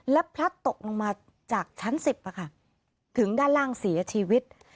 และพลัดตกลงมาจากชั้น๑๐ถึงด้านล่างเสียชีวิต